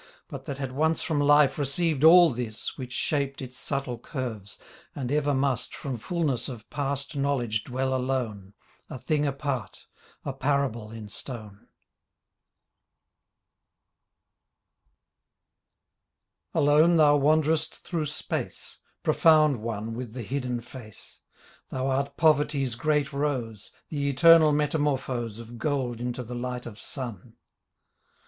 But that had once from Life received all this Which shaped its subtle curves, and ever must From fullness of past knowledge dwell alone, A thing apart, a parable in stone. 63 The Book of Poverty and Death Alone Thou wanderest through space. Profound One with the hidden face; TTiou art Poverty's great rose, The eternal metamorphose Of gold into the light of sun.